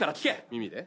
耳で？